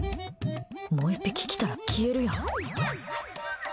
もう１匹来たら消えるやん。